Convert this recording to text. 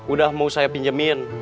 udah mau saya pinjemin